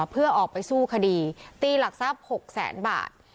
เพื่อออกไปสู้คดีตีหลักทรัพย์๖แสนบาท